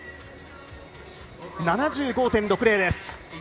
７５．６０です。